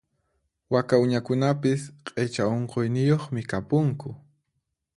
Waka uñakunapis q'icha unquyniyuqmi kapunku.